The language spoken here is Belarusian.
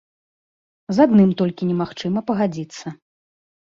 З адным толькі немагчыма пагадзіцца.